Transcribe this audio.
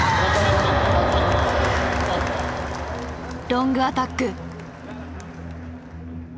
ロングアタック！